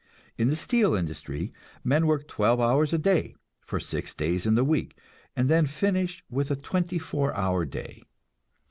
In the steel industry men work twelve hours a day for six days in the week, and then finish with a twenty four hour day.